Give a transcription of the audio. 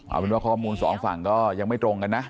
เอาเป็นว่าข้อมูลสองฝั่งก็ยังไม่ตรงกันนะ